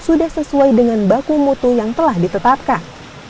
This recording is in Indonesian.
sudah sesuai dengan baku mutu yang telah ditetapkan